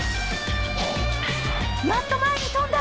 やっと前に飛んだ！